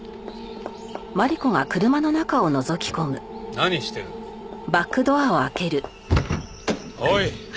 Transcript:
何してる？おい！